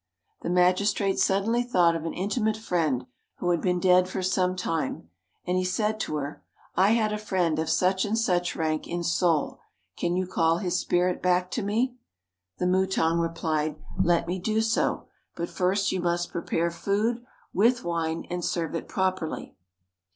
The magistrate suddenly thought of an intimate friend who had been dead for some time, and he said to her, "I had a friend of such and such rank in Seoul; can you call his spirit back to me?" The mutang replied, "Let me do so; but first you must prepare food, with wine, and serve it properly."